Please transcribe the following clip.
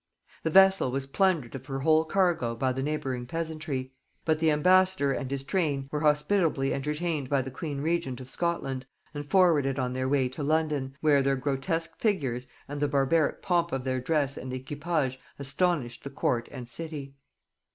The vessel was plundered of her whole cargo by the neighbouring peasantry; but the ambassador and his train were hospitably entertained by the queen regent of Scotland, and forwarded on their way to London, where their grotesque figures and the barbaric pomp of their dress and equipage astonished the court and city.